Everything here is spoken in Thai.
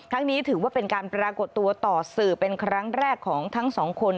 นี้ถือว่าเป็นการปรากฏตัวต่อสื่อเป็นครั้งแรกของทั้งสองคน